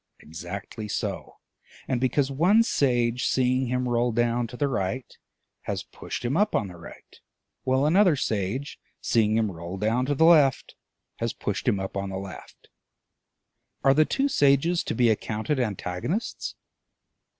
Exactly so; and because one sage, seeing him roll down to the right, has pushed him up on the right, while another sage, seeing him roll down to the left, has pushed him up on the left, are the two sages to be accounted antagonists?